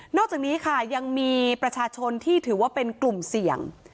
อกจากนี้ค่ะยังมีประชาชนที่ถือว่าเป็นกลุ่มเสี่ยง